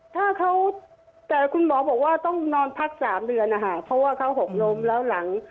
ถ้าเขาแต่คุณหมอบอกว่าต้องนอนพักสามเดือนนะคะเพราะว่าเขาหกล้มแล้วหลัง